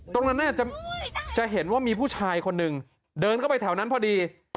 ตรงนั้นจะเห็นว่ามีผู้ชายคนหนึ่งเดินเข้าไปแถวนั้นพอดี